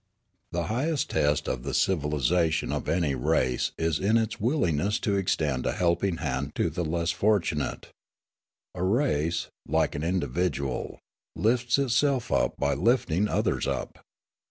"The highest test of the civilisation of any race is in its willingness to extend a helping hand to the less fortunate. A race, like an individual, lifts itself up by lifting others up.